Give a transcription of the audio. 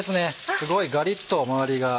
すごいガリっと周りが。